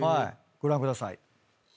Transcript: ご覧ください。